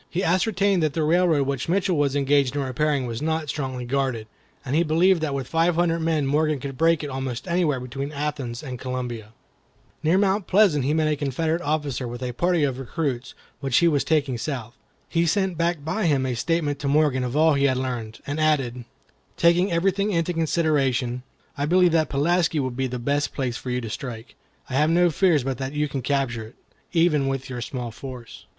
He ascertained that the railroad which Mitchell was engaged in repairing was not strongly guarded, and he believed that with five hundred men Morgan could break it almost anywhere between Athens and Columbia. Near Mount Pleasant he met a Confederate officer with a party of recruits which he was taking south. He sent back by him a statement to Morgan of all he had learned, and added: "Taking everything into consideration, I believe that Pulaski will be the best place for you to strike. I have no fears but that you can capture it, even with your small force."